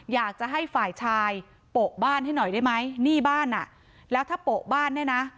อยากจะให้ฝ่ายชายโปะบ้านให้หน่อยได้ไหมหนี้บ้านอ่ะแล้วถ้าโปะบ้านเนี่ยนะ